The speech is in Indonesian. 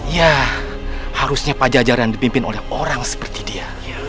ya harusnya pajajaran dipimpin oleh orang seperti dia